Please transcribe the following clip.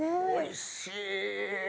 おいしい。